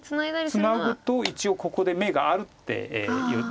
ツナぐと一応ここで眼があるっていう。